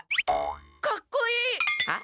かっこいい！は？